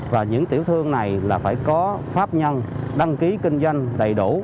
và những tiểu thương này là phải có pháp nhân đăng ký kinh doanh đầy đủ